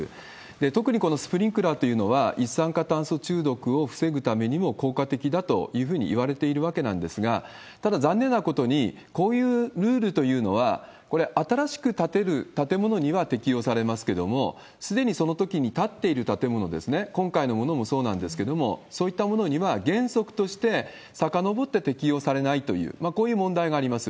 特にこのスプリンクラーというのは一酸化炭素中毒を防ぐためにも効果的だというふうにいわれているわけなんですが、ただ残念なことに、こういうルールというのは、これ、新しく建てる建物には適用されますけれども、すでにそのときに建っている建物ですね、今回のものもそうなんですけれども、そういったものには原則として、さかのぼって適用されないという、こういう問題があります。